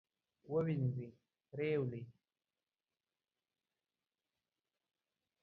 ووینځئ